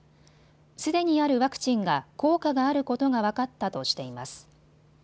すでにあるワクチンが効果があることが分かったとしています。